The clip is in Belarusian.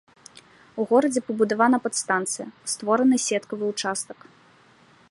У горадзе пабудавана падстанцыя, створаны сеткавы ўчастак.